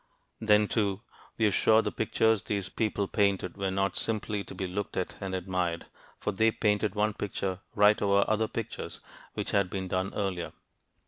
Then, too, we're sure the pictures these people painted were not simply to be looked at and admired, for they painted one picture right over other pictures which had been done earlier.